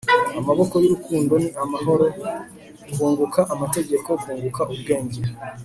Amaboko yurukundo ni amahoro kunguka amategeko kunguka ubwenge